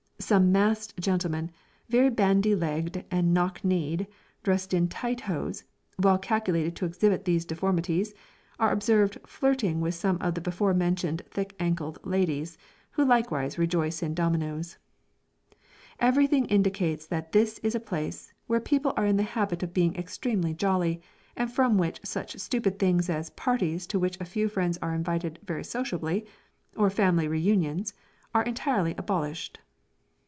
Some masked gentlemen, very bandy legged and knock kneed, dressed in tight hose, well calculated to exhibit these deformities, are observed flirting with some of the before mentioned thick ankled ladies, who likewise rejoice in dominos. Every thing indicates that this is a place, where people are in the habit of being extremely jolly, and from which such stupid things as parties to which a few friends are invited "very sociably", or family re unions, are entirely abolished.